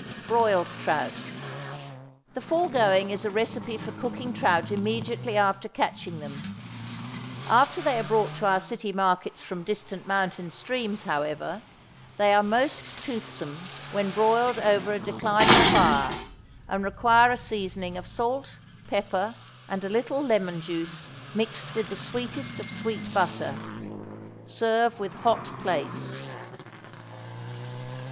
=Broiled Trout.= The foregoing is a recipe for cooking trout immediately after catching them. After they are brought to our city markets from distant mountain streams, however, they are most toothsome when broiled over a declining fire, and require a seasoning of salt, pepper, and a little lemon juice mixed with the sweetest of sweet butter. Serve with hot plates.